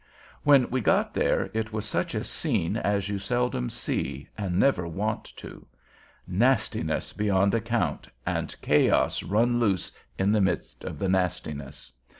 When we got there, it was such a scene as you seldom see, and never want to. Nastiness beyond account, and chaos run loose in the midst of the nastiness.